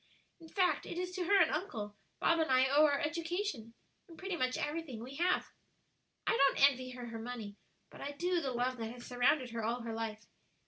In fact, it is to her and uncle, Bob and I owe our education, and pretty much everything we have. "I don't envy her her money, but I do the love that has surrounded her all her life.